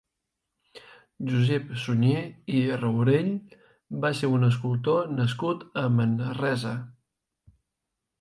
Josep Sunyer i Raurell va ser un escultor nascut a Manresa.